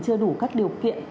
chưa đủ các điều kiện